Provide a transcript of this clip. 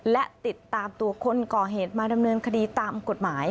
และติดตามตัวคนก่อเหตุมาดำเนินคดีตามกฎหมาย